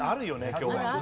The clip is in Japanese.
今日は。